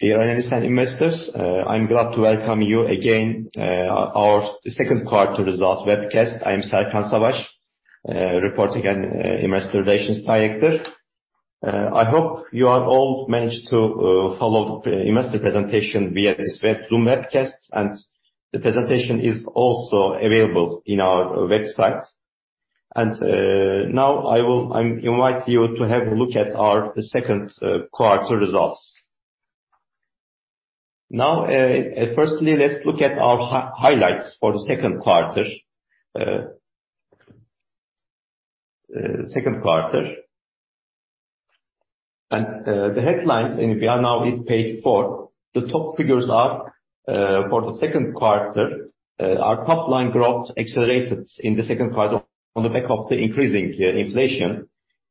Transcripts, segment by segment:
Dear analysts and investors, I'm glad to welcome you again, our second quarter results webcast. I'm Serkan Savaş, reporting and investor relations director. I hope you have all managed to follow the investor presentation via this Zoom webcast, and the presentation is also available in our website. Now I will I invite you to have a look at our second quarter results. Now, firstly, let's look at our highlights for the second quarter. The headlines, and we are now in page four. The top figures are for the second quarter, our top-line growth accelerated in the second quarter on the back of the increasing inflation.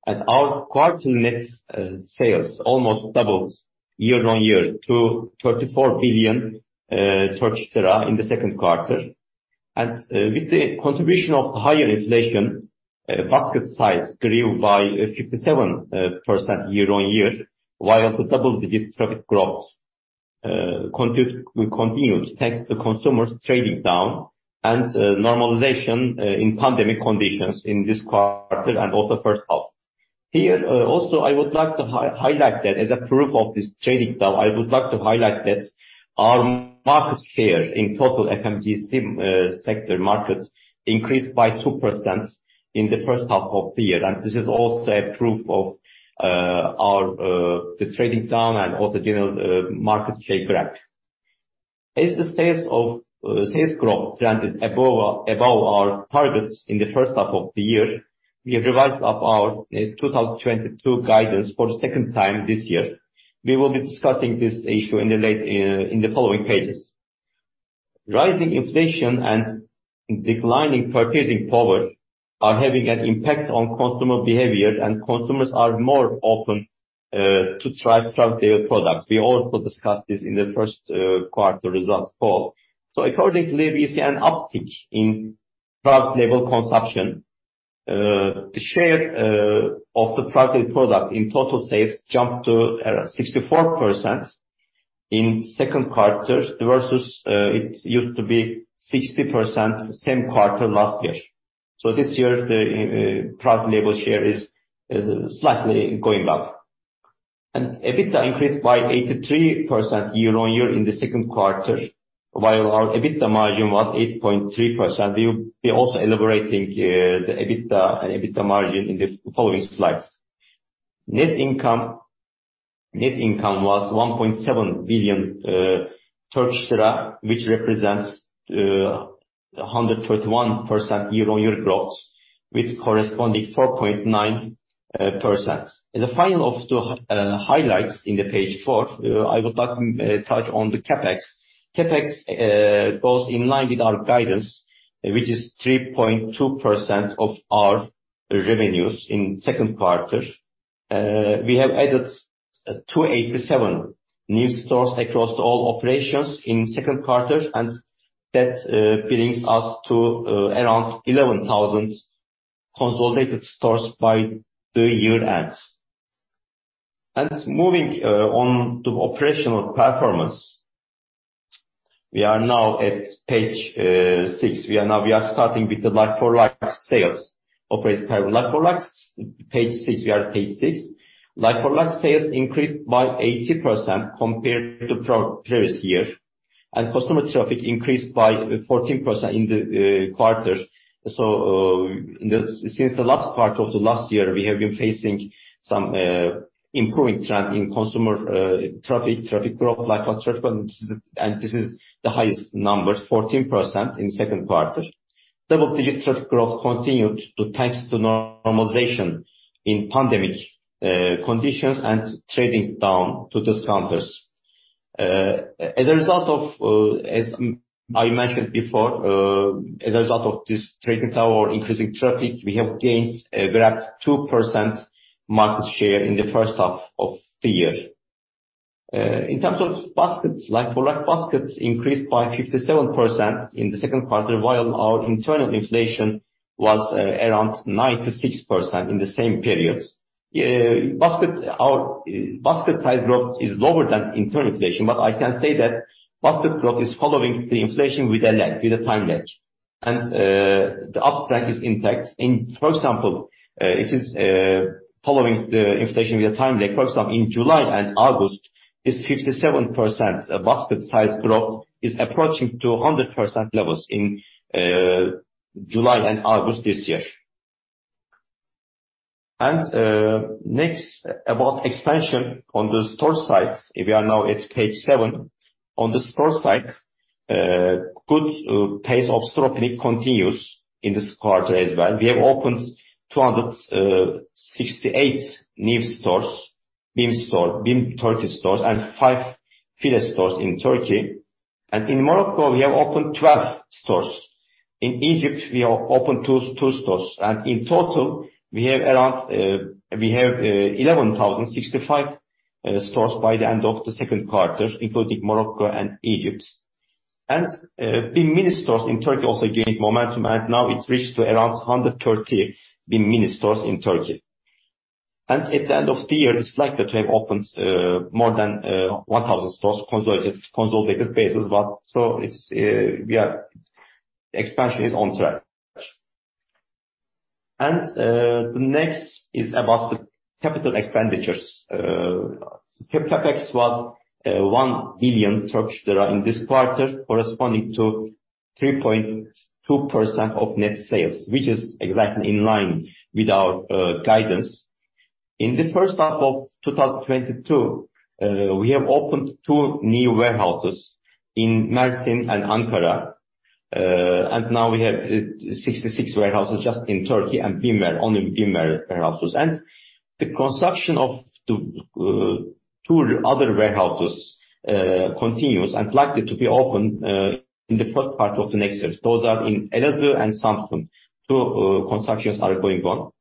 Our quarter net sales almost doubled year-on-year to 34 billion Turkish lira in the second quarter. With the contribution of higher inflation, basket size grew by 57% year-on-year, while the double-digit traffic growth continues thanks to consumers trading down and normalization in pandemic conditions in this quarter and also first half. Here, also I would like to highlight that as a proof of this trading down, I would like to highlight that our market share in total FMCG sector markets increased by 2% in the first half of the year. This is also a proof of the trading down and also general market share growth. As the sales growth trend is above our targets in the first half of the year, we have revised up our 2022 guidance for the second time this year. We will be discussing this issue in the following pages. Rising inflation and declining purchasing power are having an impact on consumer behavior, and consumers are more open to try private label products. We also discussed this in the first quarter results call. Accordingly, we see an uptick in private label consumption. The share of the private label products in total sales jumped to 64% in second quarter versus it used to be 60% same quarter last year. This year's private label share is slightly going up. EBITDA increased by 83% year-on-year in the second quarter, while our EBITDA margin was 8.3%. We'll be also elaborating the EBITDA and EBITDA margin in the following slides. Net income was 1.7 billion Turkish lira, which represents 121% year-on-year growth with corresponding 4.9%. As a final of the highlights in the page four, I would like to touch on the CapEx. CapEx goes in line with our guidance, which is 3.2% of our revenues in second quarter. We have added 287 new stores across all operations in second quarter, and that brings us to around 11,000 consolidated stores by the year end. Moving on to operational performance. We are now at page six. We are starting with the like-for-like sales. Operating like-for-likes, page six. We are at page six. Like-for-like sales increased by 80% compared to the previous year, and customer traffic increased by 14% in the quarter. Since the last quarter of the last year, we have been facing some improving trend in consumer traffic growth like, and this is the highest number, 14% in second quarter. Double-digit traffic growth continued thanks to normalization in pandemic conditions and trading down to discounters. As a result of, as I mentioned before, as a result of this trading down or increasing traffic, we have gained, we're at 2% market share in the first half of the year. In terms of baskets, like-for-like baskets increased by 57% in the second quarter, while our internal inflation was around 96% in the same period. Basket, our basket size growth is lower than internal inflation, but I can say that basket growth is following the inflation with a lag, with a time lag. The uptick is intact. It is following the inflation with a time lag. For example, in July and August is 57%. Basket size growth is approaching to 100% levels in July and August this year. Next about expansion on the store sites. We are now at page seven. On the store sites, good pace of store opening continues in this quarter as well. We have opened 268 new stores, BİM store, BİM Turkey stores and five FİLE stores in Turkey. In Morocco, we have opened 12 stores. In Egypt, we have opened two stores. In total, we have around 11,065 stores by the end of the second quarter, including Morocco and Egypt. BİM Mini stores in Turkey also gaining momentum, and now it's reached to around 130 BİM Mini stores in Turkey. At the end of the year, it's likely to have opened more than 1,000 stores consolidated basis. Expansion is on track. The next is about the capital expenditures. CapEx was 1 billion Turkish lira in this quarter, corresponding to 3.2% of net sales, which is exactly in line with our guidance. In the first half of 2022, we have opened two new warehouses in Mersin and Ankara. We have 66 warehouses just in Turkey and BİM, only BİM warehouses. The construction of the two other warehouses continues and likely to be open in the first part of the next year. Those are in Elazığ and Samsun. Two constructions are going on.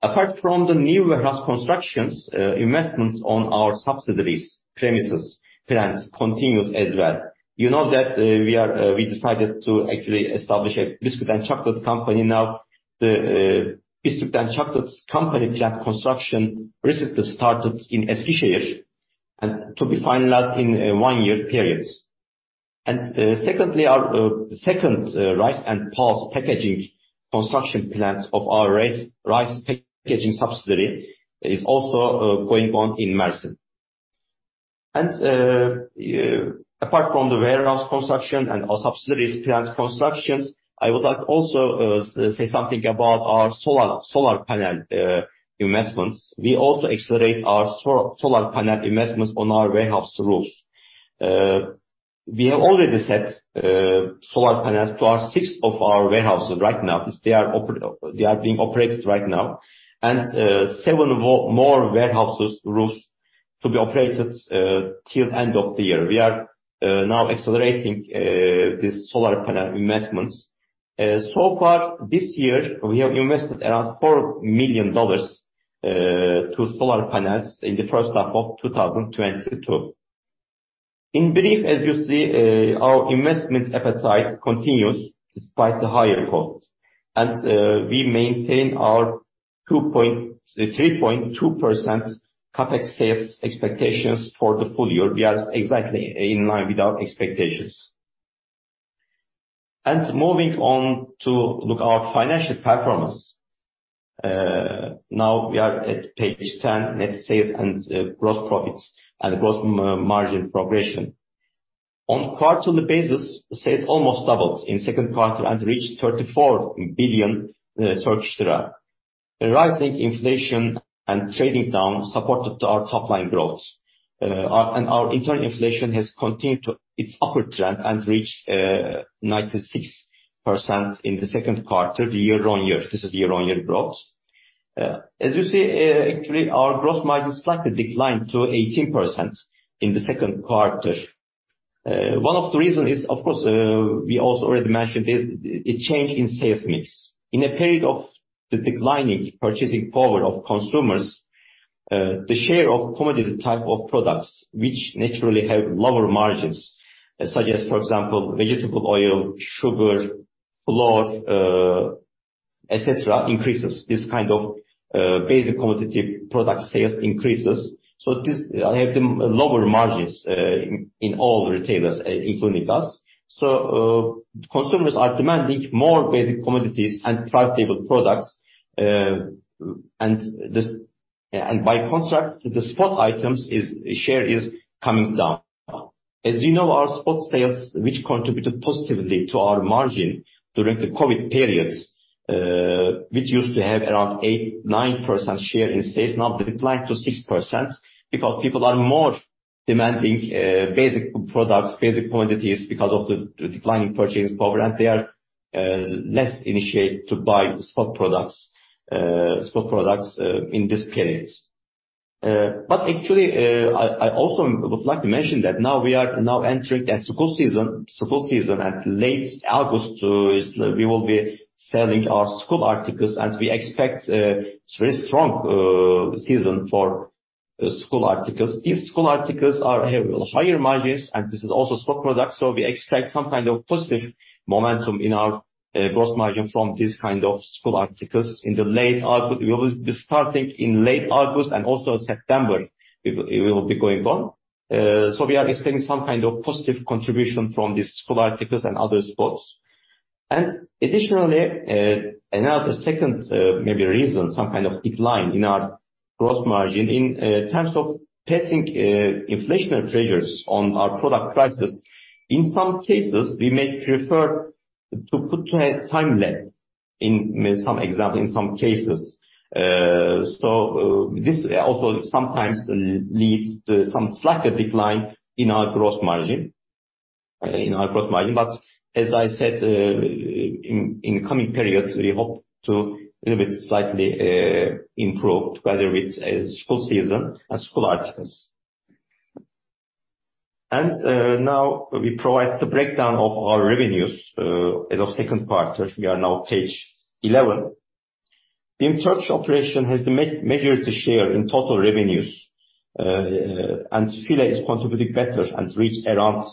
Apart from the new warehouse constructions, investments on our subsidiaries premises plans continues as well. You know that we decided to actually establish a biscuit and chocolate company now. The biscuit and chocolates company plant construction recently started in Eskişehir and to be finalized in one-year periods. Secondly, our second rice and pulse packaging construction plant of our rice packaging subsidiary is also going on in Mersin. Apart from the warehouse construction and our subsidiaries plant constructions, I would like to also say something about our solar panel investments. We also accelerate our solar panel investments on our warehouse roofs. We have already set solar panels to six of our warehouses right now. They are being operated right now. Seven more warehouses roofs to be operated till end of the year. We are now accelerating this solar panel investments. So far this year, we have invested around $4 million to solar panels in the first half of 2022. In brief, as you see, our investment appetite continues despite the higher costs. We maintain our 3.2% CapEx sales expectations for the full year. We are exactly in line with our expectations. Moving on to look at our financial performance. Now we are at page 10, net sales and gross profits and gross margin progression. On a quarterly basis, sales almost doubled in second quarter and reached 34 billion Turkish lira. Rising inflation and trading down supported our top line growth. Our internal inflation has continued to its upward trend and reached 96% in the second quarter, the year-on-year. This is year-on-year growth. As you see, actually, our gross margin slightly declined to 18% in the second quarter. One of the reason is, of course, we also already mentioned is a change in sales mix. In a period of the declining purchasing power of consumers, the share of commodity type of products, which naturally have lower margins, such as, for example, vegetable oil, sugar, flour, et cetera, increases. This kind of basic commodity product sales increases. This have the lower margins in all retailers, including us. Consumers are demanding more basic commodities and private label products. By contrast, the spot items share is coming down. As you know, our spot sales, which contributed positively to our margin during the COVID periods, which used to have around 8%-9% share in sales, now declined to 6% because people are more demanding basic products, basic commodities, because of the declining purchasing power, and they are less inclined to buy spot products in this period. Actually, I also would like to mention that now we are entering a school season. In late August, we will be selling our school articles, and we expect a very strong season for school articles. If school articles have higher margins, and this is also spot items, so we expect some kind of positive momentum in our gross margin from this kind of school articles in late August. We will be starting in late August and also in September, it will be going on. We are expecting some kind of positive contribution from these school articles and other spot items. Additionally, another second maybe reason, some kind of decline in our gross margin in terms of passing inflationary pressures on our product prices. In some cases, we may prefer to put a time lag in some example, in some cases. This also sometimes leads to some slight decline in our gross margin. As I said, in the coming periods, we hope to a little bit slightly improve together with school season and school articles. Now we provide the breakdown of our revenues as of second quarter. We are now on page 11. In Turkey operations have the major share in total revenues, and FİLE is contributing better and reach around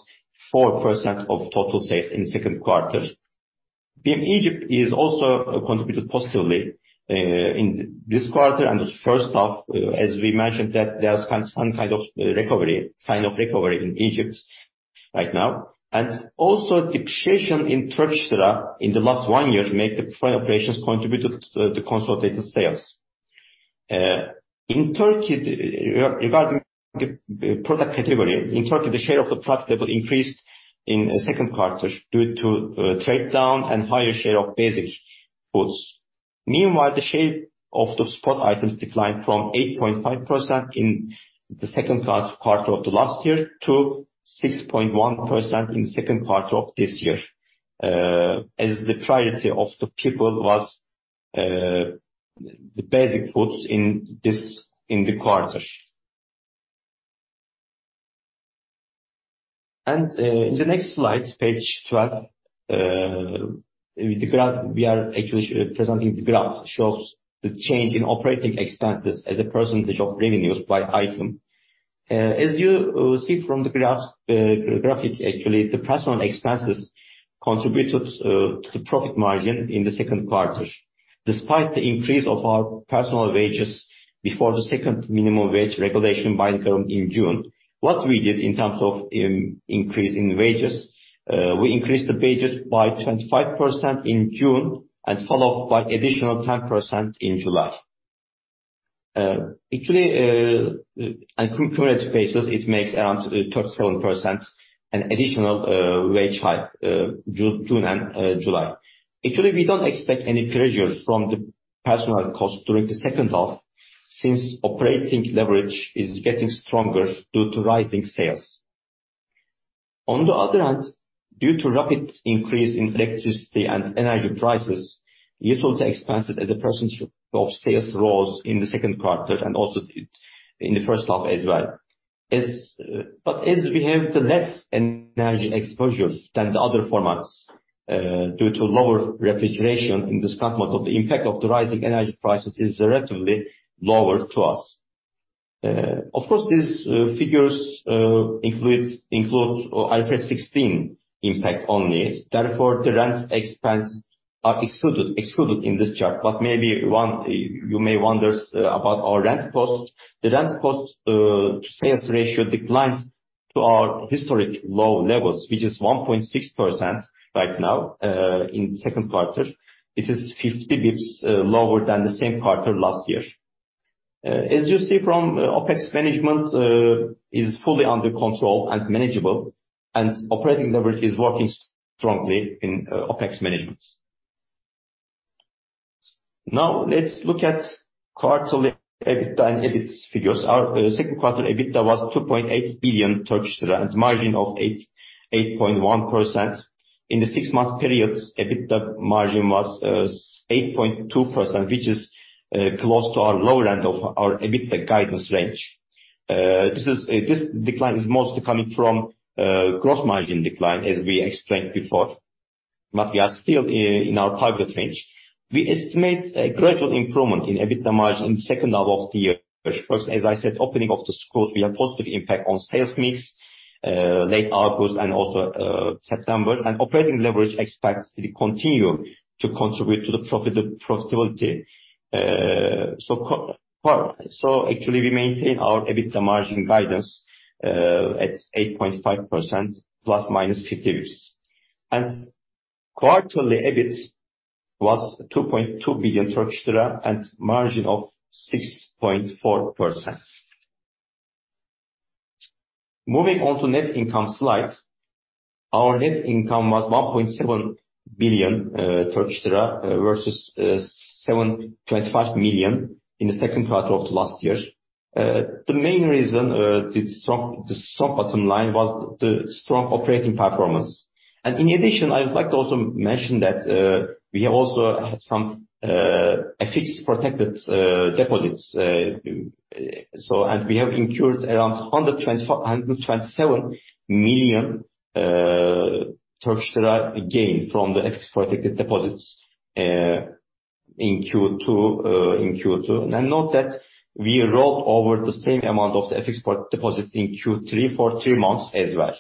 4% of total sales in second quarter. BİM Egypt is also contributed positively in this quarter and the first half, as we mentioned that there's some kind of recovery, sign of recovery in Egypt right now. Also depreciation of the Turkish lira in the last one year make the foreign operations contributed to the consolidated sales. In Turkey, regarding the product category, in Turkey, the share of the private label increased in second quarter due to trade down and higher share of basic foods. Meanwhile, the share of the spot items declined from 8.5% in the second quarter of the last year to 6.1% in second quarter of this year, as the priority of the people was the basic foods in this quarter. In the next slide, page 12, with the graph, we are actually presenting. The graph shows the change in operating expenses as a percentage of revenues by item. As you see from the graph, actually, the personnel expenses contributed to the profit margin in the second quarter. Despite the increase of our personnel wages before the second minimum wage regulation by the government in June, what we did in terms of increase in wages, we increased the wages by 25% in June and followed by additional 10% in July. Actually, on cumulative basis, it makes around 37% an additional wage hike, June and July. Actually, we don't expect any pressures from the personnel costs during the second half since operating leverage is getting stronger due to rising sales. On the other hand, due to rapid increase in electricity and energy prices, utility expenses as a percentage of sales rose in the second quarter and also in the first half as well. we have the less energy exposures than the other formats, due to lower refrigeration in the supermarket, the impact of the rising energy prices is relatively lower to us. Of course, these figures includes IFRS 16 impact only. Therefore, the rent expense are excluded in this chart. maybe one, you may wonder about our rent cost. The rent cost to sales ratio declined to our historic low levels, which is 1.6% right now, in second quarter. It is 50 basis points lower than the same quarter last year. as you see from OpEx management is fully under control and manageable, and operating leverage is working strongly in OpEx management. Now let's look at quarterly EBITDA and EBIT figures. Our second quarter EBITDA was 2.8 billion Turkish lira, margin of 8.1%. In the six-month period, EBITDA margin was 8.2%, which is close to our low end of our EBITDA guidance range. This decline is mostly coming from gross margin decline as we explained before, but we are still in our target range. We estimate a gradual improvement in EBITDA margin in second half of the year. First, as I said, opening of the schools will positive impact on sales mix late August and also September. Operating leverage expects to continue to contribute to the profit of profitability. Actually we maintain our EBITDA margin guidance at 8.5% ±50 basis points. Quarterly EBIT was 2.2 billion Turkish lira and margin of 6.4%. Moving on to net income slide. Our net income was 1.7 billion Turkish lira versus 725 million in the second quarter of last year. The main reason the strong bottom line was the strong operating performance. In addition, I would like to also mention that we have also had some FX-protected deposits. So as we have incurred around TRY 125, TRY 127 million gain from the FX-protected deposit scheme in Q2. Note that we rolled over the same amount of the FX-protected deposit scheme in Q3 for three months as well.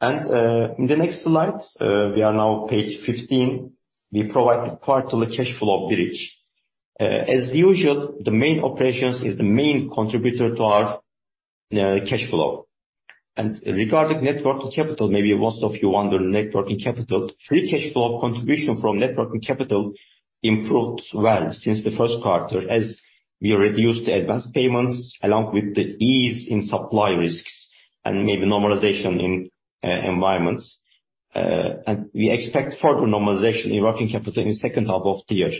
In the next slide, we are now page 15, we provide the quarterly cash flow bridge. As usual, the main operations is the main contributor to our cash flow. Regarding net working capital, maybe most of you wonder net working capital. Free cash flow contribution from net working capital improved well since the first quarter as we reduced the advanced payments along with the ease in supply risks and maybe normalization in environments. We expect further normalization in working capital in second half of the year.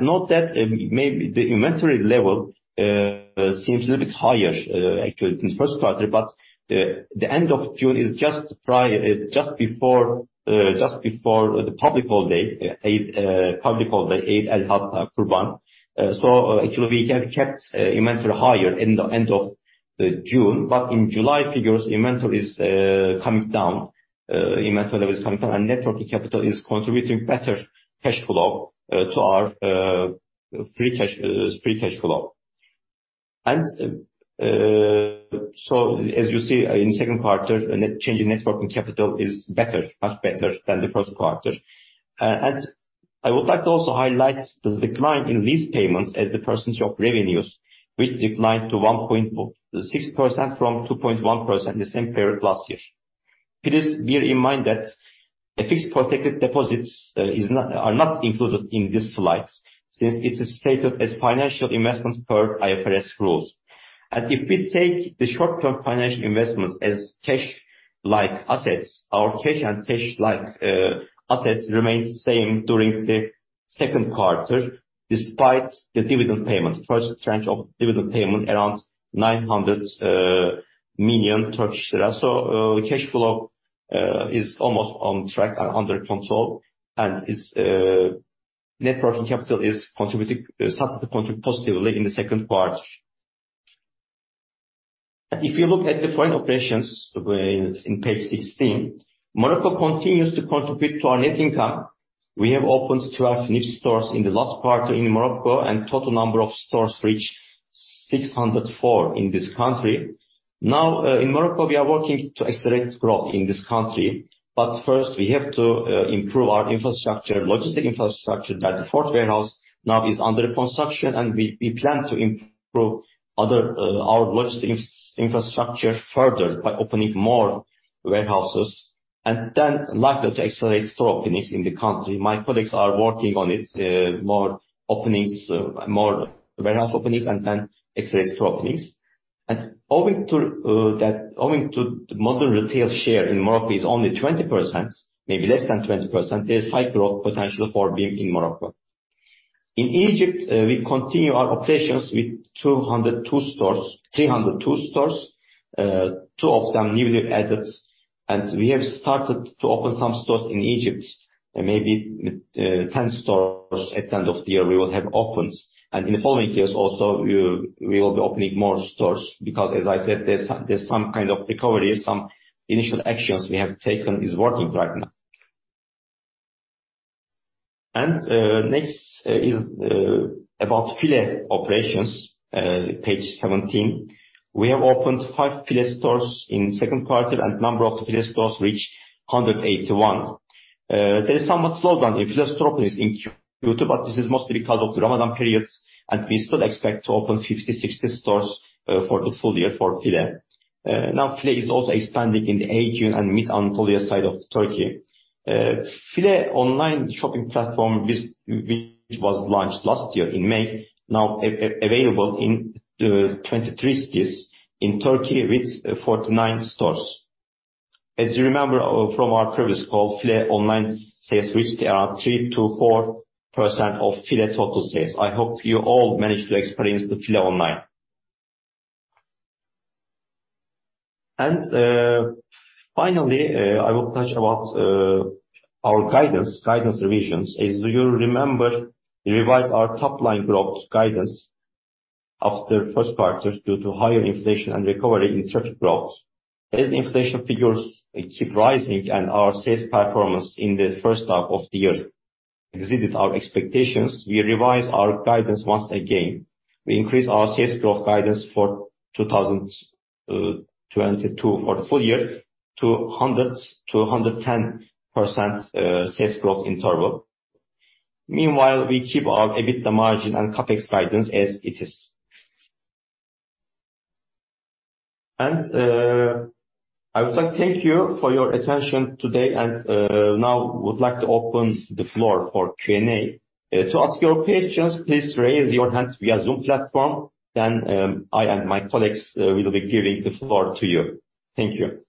Note that maybe the inventory level seems a little bit higher actually in the first quarter, but the end of June is just before the public holiday, Kurban Bayramı. Actually we have kept inventory higher in the end of June. In July figures, inventory is coming down. Inventory level is coming down. Net working capital is contributing better cash flow to our free cash flow. As you see in second quarter, a net change in net working capital is better, much better than the first quarter. I would like to also highlight the decline in lease payments as a percentage of revenues, which declined to 1.6% from 2.1% the same period last year. Please bear in mind that the FX-protected deposits are not included in these slides, since it is stated as financial investments per IFRS rules. If we take the short-term financial investments as cash-like assets or cash and cash-like assets remain same during the second quarter despite the dividend payment. First tranche of dividend payment around 900 million Turkish lira. The cash flow is almost on track and under control, and net working capital starts to contribute positively in the second quarter. If you look at the foreign operations in page 16, Morocco continues to contribute to our net income. We have opened 12 new stores in the last quarter in Morocco, and total number of stores reach 604 in this country. Now in Morocco, we are working to accelerate growth in this country. But first we have to improve our infrastructure, logistics infrastructure. That fourth warehouse now is under construction, and we plan to improve our logistics infrastructure further by opening more warehouses. Then likely to accelerate store openings in the country. My colleagues are working on it, more warehouse openings and then accelerate store openings. Owing to the modern retail share in Morocco is only 20%, maybe less than 20%, there's high growth potential for BİM in Morocco. In Egypt, we continue our operations with 202 stores, 302 stores, two of them newly added. We have started to open some stores in Egypt, maybe 10 stores at end of the year we will have opened. In the following years also we will be opening more stores because as I said, there's some kind of recovery. Some initial actions we have taken is working right now. Next is about FİLE operations. Page 17. We have opened 5 FİLE stores in second quarter, and number of FİLE stores reached 181. There is somewhat slowdown in FİLE store openings in Q2, but this is mostly because of the Ramadan periods, and we still expect to open 50-60 stores for the full year for FİLE. Now FİLE is also expanding in the Aegean and Mid Anatolia side of Turkey. FİLE online shopping platform, which was launched last year in May, now available in 23 cities in Turkey with 49 stores. As you remember from our previous call, FİLE online sales reached around 3%-4% of FİLE total sales. I hope you all managed to experience the FİLE online. Finally, I will touch about our guidance revisions. As you remember, we revised our top line growth guidance after first quarter due to higher inflation and recovery in certain growth. As inflation figures keep rising and our sales performance in the first half of the year exceeded our expectations, we revised our guidance once again. We increased our sales growth guidance for 2022 for the full year to 100%-110% sales growth interval. Meanwhile, we keep our EBITDA margin and CapEx guidance as it is. I would like to thank you for your attention today. Now would like to open the floor for Q&A. To ask your questions please raise your hand via Zoom platform, then I and my colleagues will be giving the floor to you. Thank you.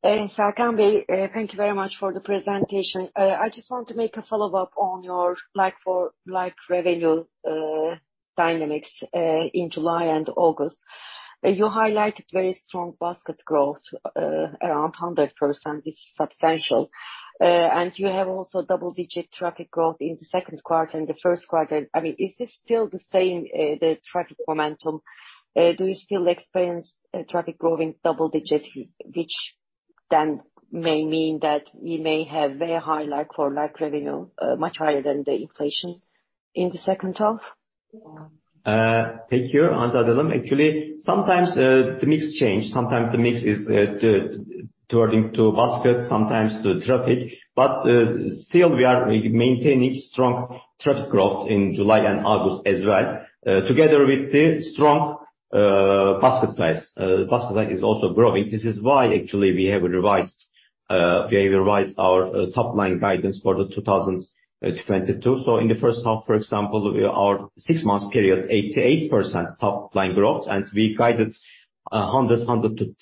[Hanzade Hanım], the floor is yours. Serkan Savaş, thank you very much for the presentation. I just want to make a follow-up on your like-for-like revenue dynamics in July and August. You highlighted very strong basket growth around 100%. It's substantial. You have also double-digit traffic growth in the second quarter and the first quarter. I mean, is this still the same traffic momentum? Do you still experience traffic growing double digits, which then may mean that you may have very high like-for-like revenue much higher than the inflation in the second half? Thank you [Hanzade Hanım]. Actually, sometimes the mix change, sometimes the mix is turning to basket, sometimes to traffic. Still we are maintaining strong traffic growth in July and August as well. Together with the strong basket size. Basket size is also growing. This is why actually we have revised our top line guidance for 2022. In the first half, for example, our six months period, 88% top line growth, and we guided 100%-110%.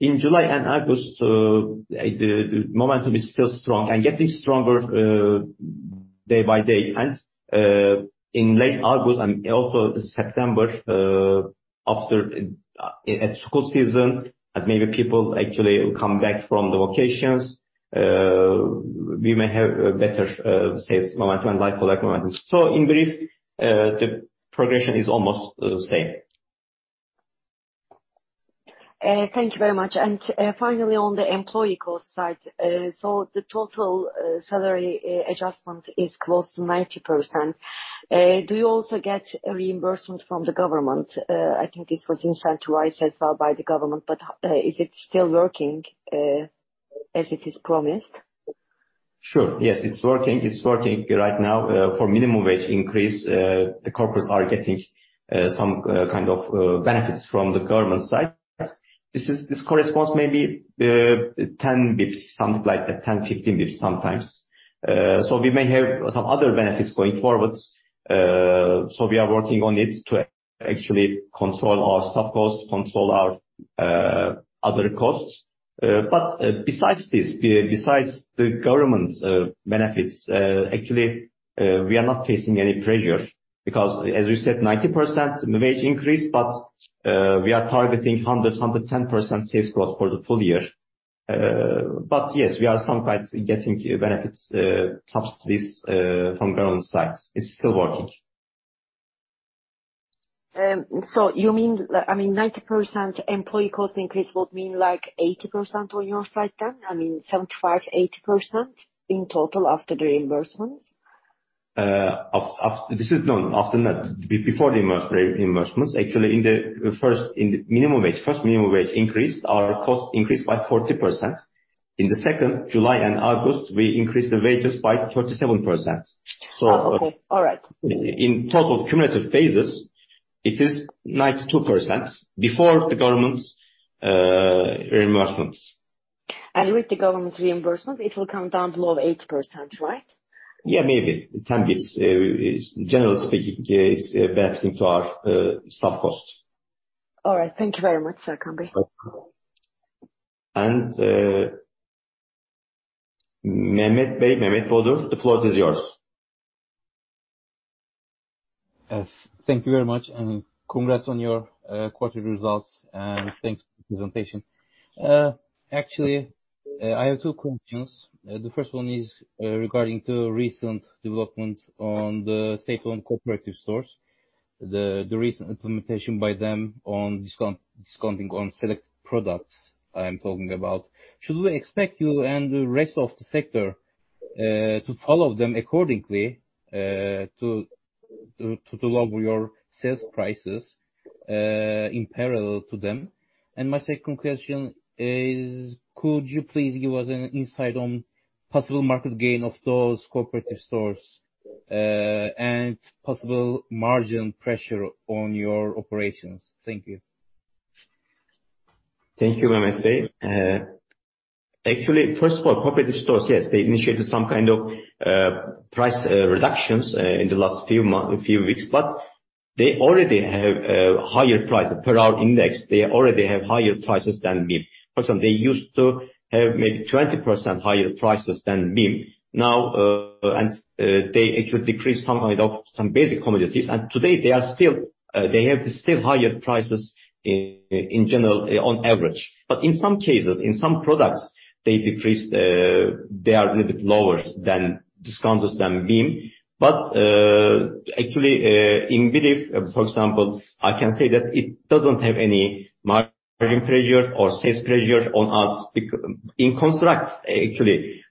In July and August, the momentum is still strong and getting stronger day by day. In late August and also September, after the school season, and maybe people actually will come back from the vacations, we may have better sales momentum, like collect momentum. In brief, the progression is almost the same. Thank you very much. Finally on the employee cost side. So the total salary adjustment is close to 90%. Do you also get a reimbursement from the government? I think this was incentivized as well by the government, but is it still working as it is promised? Sure. Yes, it's working right now. For minimum wage increase, the corporates are getting some kind of benefits from the government side. This corresponds maybe 10 basis points, something like that, 10-15 basis points sometimes. We may have some other benefits going forward. We are working on it to actually control our staff costs, control our other costs. Besides this, besides the government's benefits, actually, we are not facing any pressure because as we said, 90% wage increase, but we are targeting 110% sales growth for the full year. Yes, we are sometimes getting benefits, subsidies from government sides. It's still working. You mean, I mean, 90% employee cost increase would mean like 80% on your side then? I mean, 75%-80% in total after the reimbursement? Before the reimbursements, actually in the first minimum wage increase, our cost increased by 40%. In the second, July and August, we increased the wages by 37%. Oh, okay. All right. In total cumulative phases, it is 92% before the government's reimbursements. With the government's reimbursement, it will come down below 80%, right? Yeah, maybe. 10 basis points is generally speaking benefiting to our staff costs. All right. Thank you very much, Serkan Savaş. [Mehmet Bodur], the floor is yours. Yes. Thank you very much, and congrats on your quarterly results, and thanks for the presentation. Actually, I have two questions. The first one is regarding to recent developments on the state-owned cooperative stores. The recent implementation by them on discounting on select products, I'm talking about. Should we expect you and the rest of the sector to follow them accordingly to lower your sales prices in parallel to them? My second question is, could you please give us an insight on possible market gain of those cooperative stores and possible margin pressure on your operations? Thank you. Thank you, [Mehmet Bey]. Actually, first of all, cooperative stores, yes, they initiated some kind of price reductions in the last few weeks, but they already have higher prices per our index. They already have higher prices than BİM. For example, they used to have maybe 20% higher prices than BİM. Now, they actually decreased some item, some basic commodities, and today they still have higher prices in general on average. In some cases, in some products, they decreased, they are a little bit lower than BİM discounts. Actually, in brief, for example, I can say that it doesn't have any margin pressure or sales pressure on us. In contrast, actually,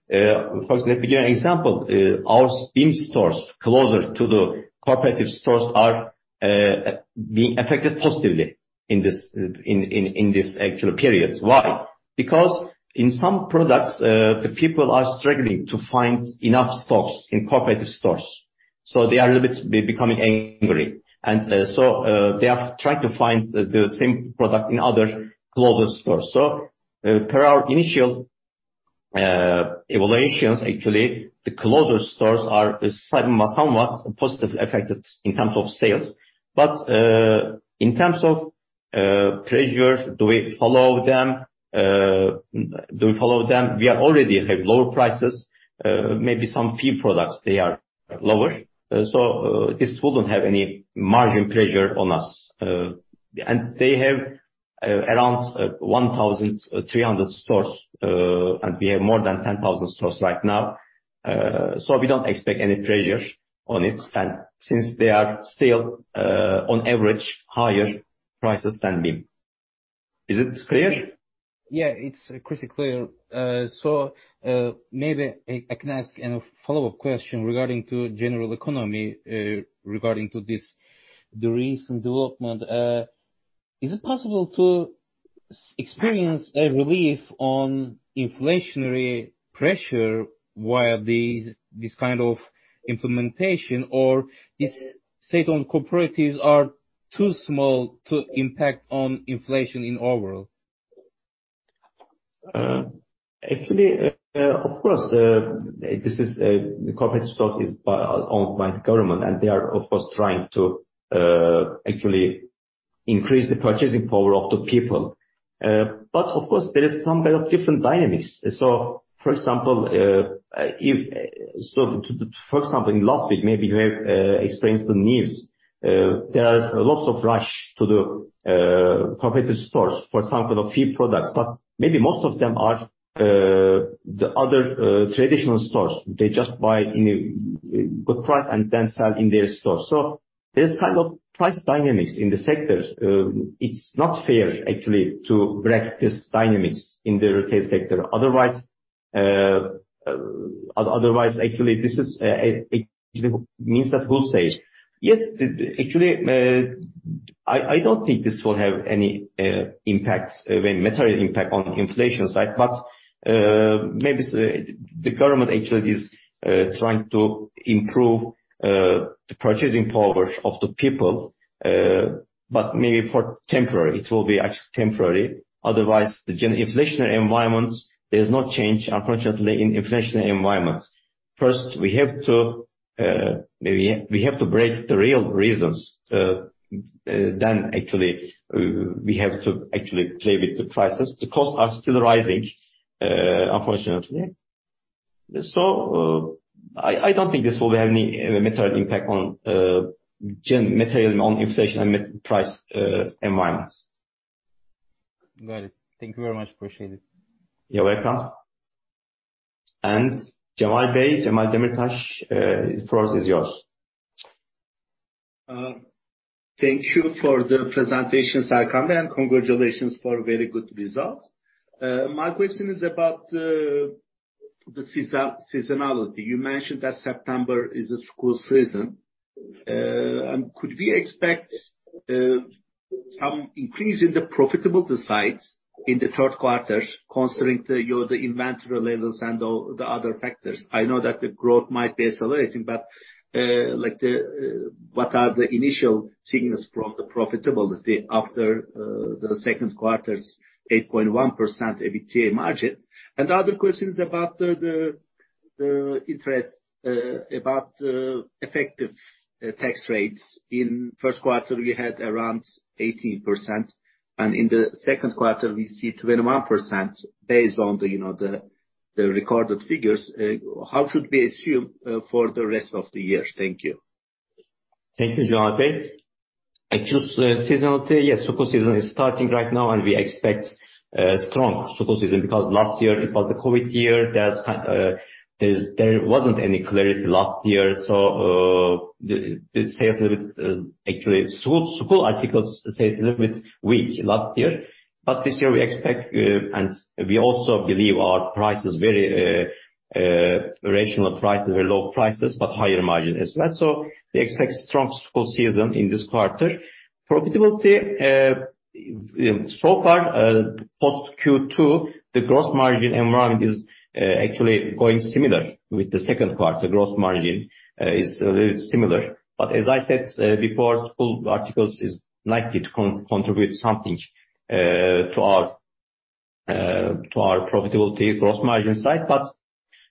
first let me give you an example. Our BİM stores closer to the cooperative stores are being affected positively in this actual periods. Why? Because in some products, the people are struggling to find enough stocks in cooperative stores. They are a little bit becoming angry. They are trying to find the same product in other global stores. Per our initial evaluations, actually, the closer stores are somewhat positively affected in terms of sales. In terms of pressure, do we follow them? We already have lower prices. Maybe some few products, they are lower. This wouldn't have any margin pressure on us. They have around 1,300 stores, and we have more than 10,000 stores right now. We don't expect any pressure on it. Since they are still, on average, higher prices than BİM. Is it clear? Yeah. It's crystal clear. Maybe I can ask a follow-up question regarding to general economy, regarding to this, the recent development. Is it possible to experience a relief on inflationary pressure via these, this kind of implementation, or are state-owned cooperatives too small to impact on inflation overall? Actually, of course, this is the cooperative store owned by the government, and they are of course trying to actually increase the purchasing power of the people. Of course, there is some kind of different dynamics. For example, in last week, maybe you have experienced the news. There are lots of rush to the cooperative stores, for example, a few products. Maybe most of them are the other traditional stores. They just buy in a good price and then sell in their stores. There's kind of price dynamics in the sectors. It's not fair actually to break these dynamics in the retail sector. Otherwise, actually this is it means that wholesale. Yes, actually, I don't think this will have any very material impact on inflation side. Maybe the government actually is trying to improve the purchasing power of the people, but maybe for temporary. It will be actually temporary. Otherwise, the general inflationary environment, there's no change unfortunately in inflationary environment. First, maybe we have to break the real reasons, then actually, we have to actually play with the prices. The costs are still rising, unfortunately. I don't think this will have any material impact on inflation and price environments. Got it. Thank you very much. Appreciate it. You're welcome. [Cemal Demirtaş], the floor is yours. Thank you for the presentation, Serkan Bey, and congratulations for very good results. My question is about the seasonality. You mentioned that September is a school season. Could we expect some increase in the profitability sides in the third quarter considering your inventory levels and all the other factors? I know that the growth might be accelerating, but like what are the initial signals from the profitability after the second quarter's 8.1% EBITDA margin? The other question is about the effective tax rates. In first quarter, we had around 18%, and in the second quarter we see 21% based on you know the recorded figures. How should we assume for the rest of the year? Thank you. Thank you, [Cemal Demirtaş]. Actually, seasonality, yes, school season is starting right now, and we expect a strong school season because last year it was the COVID year. There wasn't any clarity last year. The sales a little bit, actually school articles sales is a little bit weak last year. This year we expect, and we also believe our price is very rational prices, very low prices, but higher margin as well. We expect strong school season in this quarter. Profitability, so far, post Q2, the gross margin environment is actually going similar with the second quarter. Gross margin is a little similar. As I said before, school articles is likely to contribute something to our profitability gross margin side.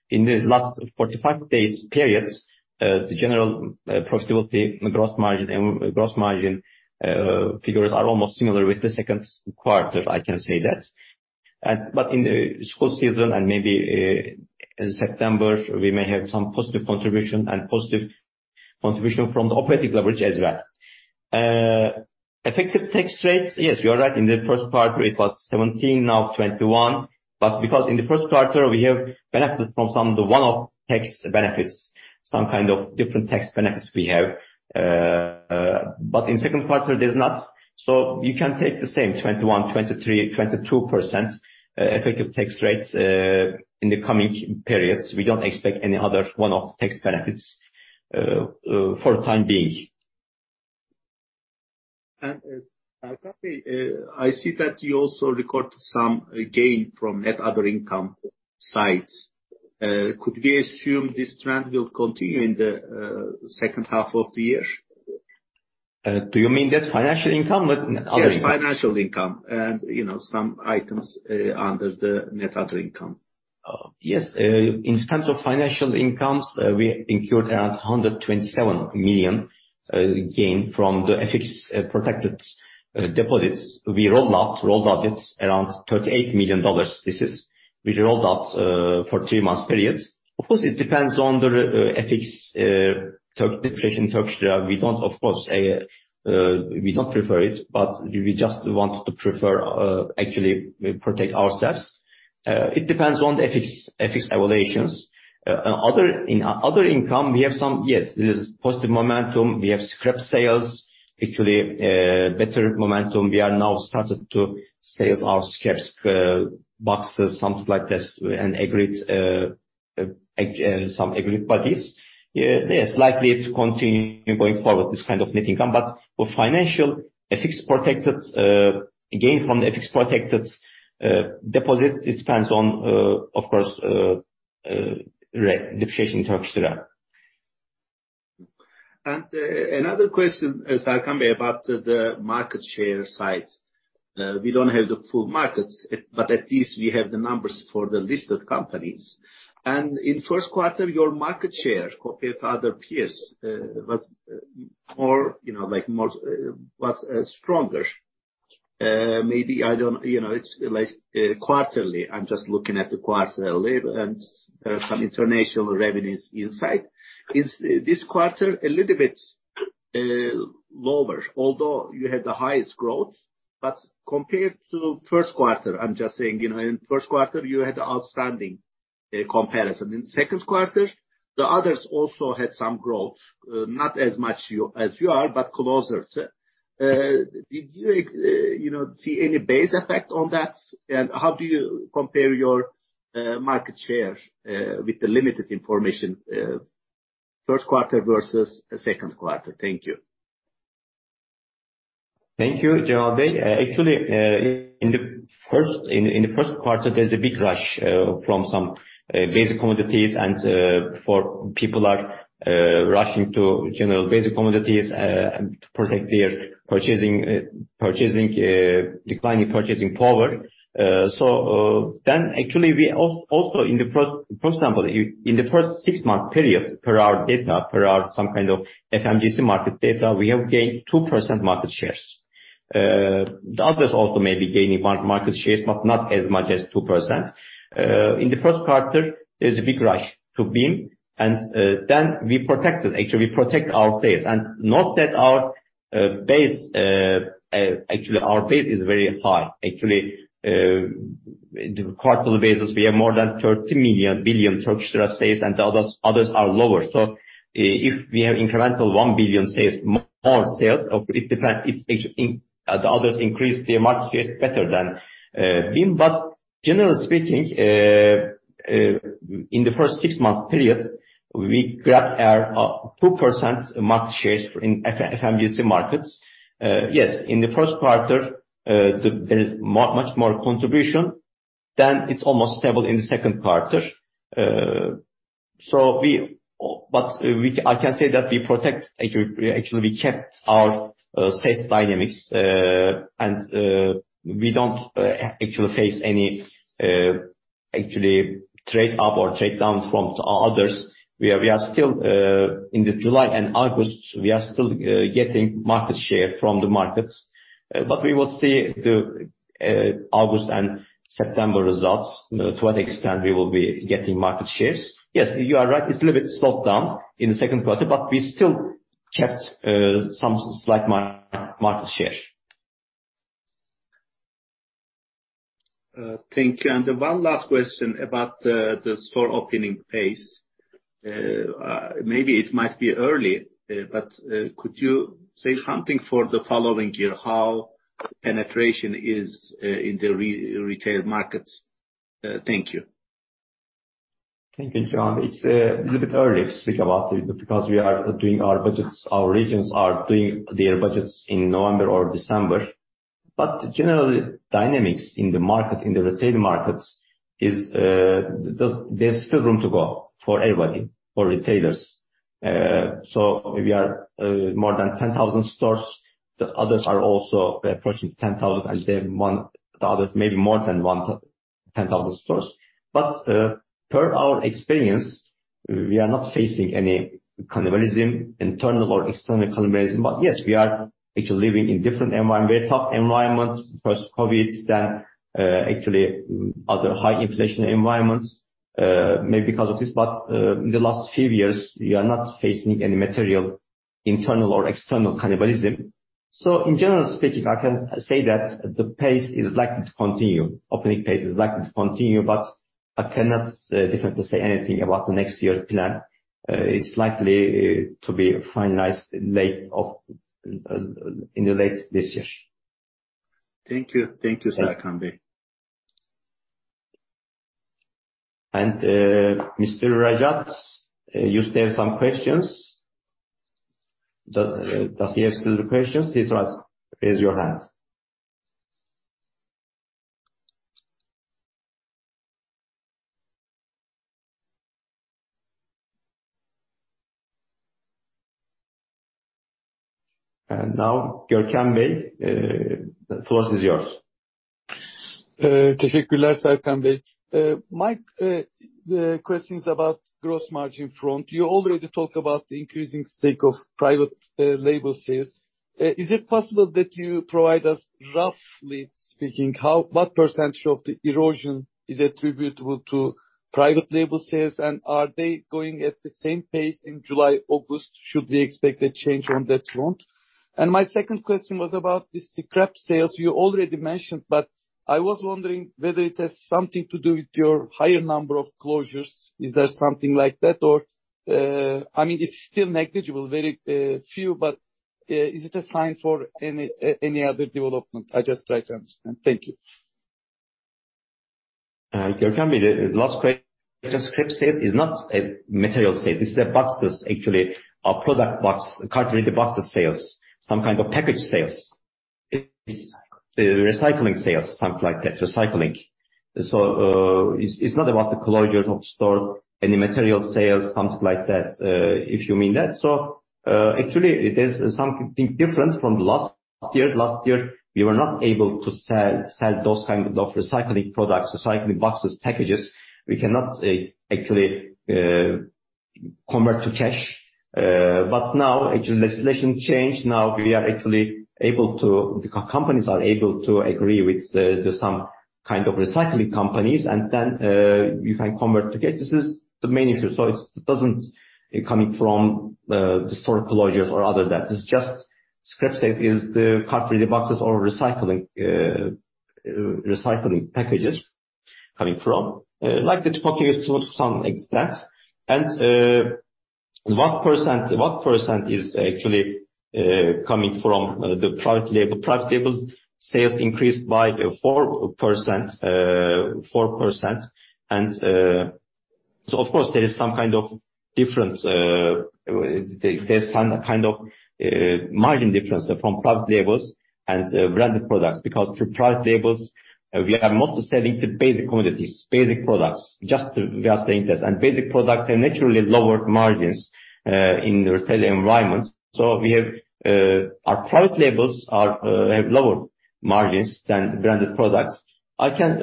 In the last 45-day periods, the general profitability, gross margin figures are almost similar with the second quarter, I can say that. In the school season and maybe in September, we may have some positive contribution from the operating leverage as well. Effective tax rates, yes, you are right. In the first quarter it was 17%, now 21%. Because in the first quarter we have benefit from some of the one-off tax benefits, some kind of different tax benefits we have. In second quarter there's not. You can take the same 21%, 23%, 22% effective tax rates in the coming periods. We don't expect any other one-off tax benefits for the time being. Serkan Savaş, I see that you also record some gain from net other income sides. Could we assume this trend will continue in the second half of the year? Do you mean net financial income or net other income? Yes, financial income and, you know, some items under the net other income. Yes. In terms of financial incomes, we incurred around 127 million gain from the FX-protected deposits. We rolled over. It's around $38 million. We rolled it over for three-month periods. Of course, it depends on the FX depreciation of the Turkish lira. We don't, of course, prefer it, but we just want to actually protect ourselves. It depends on the FX revaluations. In other income, we have some. Yes, there is positive momentum. We have scrap sales, actually, better momentum. We are now started to sell our scraps, boxes, something like this, and agreed some agreed parties. Yes, likely to continue going forward, this kind of net income. For financial FX-protected gain from the FX-protected deposits, it depends on, of course, depreciation in Turkish lira. Another question, Serkan Bey, about the market share side. We don't have the full markets, but at least we have the numbers for the listed companies. In first quarter, your market share compared to other peers was more, you know, like most, stronger. Maybe I don't, you know, it's like, quarterly. I'm just looking at the quarterly, and there are some international revenues inside. Is this quarter a little bit lower, although you had the highest growth? Compared to first quarter, I'm just saying, you know, in first quarter you had outstanding comparison. In second quarter, the others also had some growth, not as much as you are, but closer. Did you know, see any base effect on that? How do you compare your market share with the limited information first quarter versus second quarter? Thank you. Thank you, [Cemal Demirtaş]. Actually, in the first quarter, there's a big rush for some basic commodities, and people are rushing to general basic commodities to protect their declining purchasing power. Actually, we also, for example, in the first six-month periods, per our data, some kind of FMCG market data, we have gained 2% market shares. The others also may be gaining market shares, but not as much as 2%. In the first quarter, there's a big rush to BİM, and then we protected. Actually, we protect our sales. Note that our base is very high. Actually, in the quarterly basis, we have more than 30 billion Turkish lira sales, and the others are lower. If we have incremental 1 billion sales, more sales of it, depend it's actually in. The others increased their market shares better than BİM. Generally speaking, in the first six months, we grabbed our 2% market share in FMCG markets. Yes, in the first quarter, there is much more contribution than it's almost stable in the second quarter. We can, I can say that we protect. Actually, we kept our sales dynamics. We don't actually face any actually trade up or trade down from others. We are still in July and August, we are still getting market share from the markets. We will see the August and September results, you know, to what extent we will be getting market shares. Yes, you are right. It's a little bit slowed down in the second quarter, but we still kept some slight market share. Thank you. One last question about the store opening pace. Maybe it might be early, but could you say something for the following year, how penetration is in the retail markets? Thank you. Thank you, [Cemal Demirtaş]. It's a little bit early to speak about it because we are doing our budgets. Our regions are doing their budgets in November or December. Generally, dynamics in the market, in the retail markets is. There's still room to go for everybody, for retailers. We are more than 10,000 stores. The others are also approaching 10,000, and they're one. The others may be more than 10,000 stores. Per our experience, we are not facing any cannibalism, internal or external cannibalism. Yes, we are actually living in different environment, very tough environment. First COVID, then actually other high inflation environments, maybe because of this. In the last few years, we are not facing any material internal or external cannibalism. In general speaking, I can say that the opening pace is likely to continue, but I cannot definitely say anything about the next year's plan. It's likely to be finalized in the late this year. Thank you. Thank you, Serkan Bey. [Mr. Rajat], you still have some questions? Does he have still the questions? Please raise your hand. Now, [Görkem Bey], the floor is yours. Thank you, Serkan Bey. My question is about gross margin front. You already talked about the increasing stake of private label sales. Is it possible that you provide us, roughly speaking, what percentage of the erosion is attributable to private label sales? And are they going at the same pace in July, August? Should we expect a change on that front? And my second question was about the same-store sales. You already mentioned, but I was wondering whether it has something to do with your higher number of closures. Is there something like that? Or, I mean, it's still negligible, very few, but is it a sign for any other development? I just try to understand. Thank you. [Görkem Bey], the last question, scrap sales is not a material sale. This is a boxes, actually, a product box, cartridge boxes sales, some kind of package sales. It's recycling sales, something like that, recycling. It's not about the closures of store, any material sales, something like that, if you mean that. Actually, it is something different from last year. Last year, we were not able to sell those kind of recycling products, recycling boxes, packages. We cannot actually convert to cash. But now actually legislation changed. Now we are actually able to. The companies are able to agree with the some kind of recycling companies and then you can convert to cash. This is the main issue. It's not coming from the store closures or other than that. It's just scrap sales is the cardboard boxes or recycling packages coming from like the tobacco use to some extent. 1% is actually coming from the private label. Private label sales increased by 4%. Of course there is some kind of difference. There's some kind of margin difference from private labels and branded products. Because for private labels, we are mostly selling the basic commodities, basic products, just we are saying this. Basic products have naturally lower margins in retail environment. Our private labels have lower margins than branded products. I can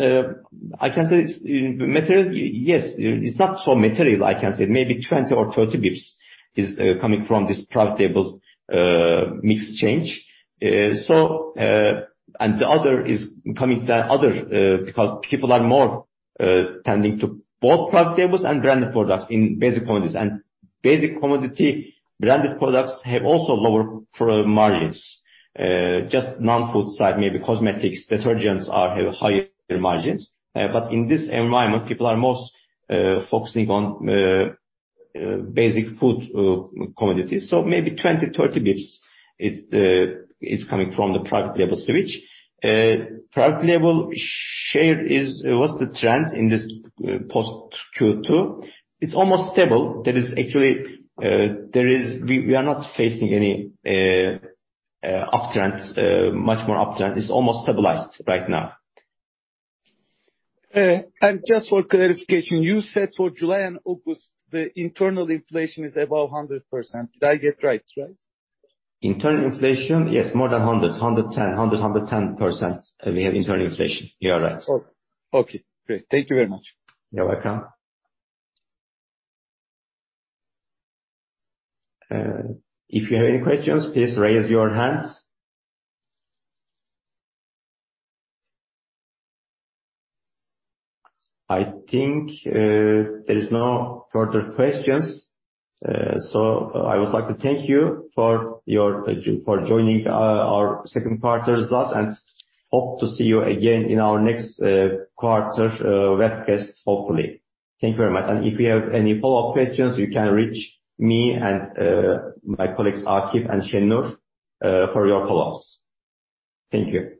say it's material. Yes, it's not so material, I can say. Maybe 20 or 30 basis points is coming from this private label mix change. The other is coming because people are more tending to both private labels and branded products in basic commodities. Basic commodity branded products have also lower gross margins. Just non-food side, maybe cosmetics, detergents have higher margins. In this environment, people are mostly focusing on basic food commodities. Maybe 20-30 basis points is coming from the private label switch. Private label share is. What's the trend in this post Q2? It's almost stable. We are not facing any uptrend, much more uptrend. It's almost stabilized right now. Just for clarification, you said for July and August, the internal inflation is above 100%. Did I get it right? Right? Internal inflation? Yes, more than 100. 110%. We have internal inflation. You are right. Okay. Great. Thank you very much. You're welcome. If you have any questions, please raise your hands. I think there is no further questions. I would like to thank you for joining our second quarter with us, and hope to see you again in our next quarter's webcast, hopefully. Thank you very much. If you have any follow-up questions, you can reach me and my colleagues, Akif and Şennur, for your follow-ups. Thank you.